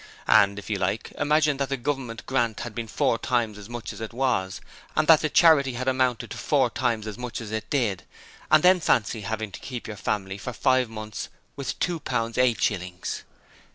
And, if you like, imagine that the Government grant had been four times as much as it was, and that the charity had amounted to four times as much as it did, and then fancy having to keep your family for five months with two pounds eight shillings!